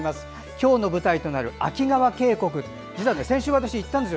今日の舞台となる秋川渓谷実は私、先週行ったんです。